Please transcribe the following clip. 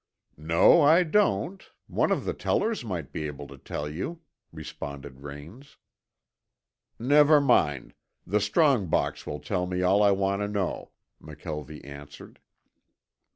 "No, I don't. One of the tellers might be able to tell you," responded Raines. "Never mind. The strong box will tell me all I want to know," McKelvie answered.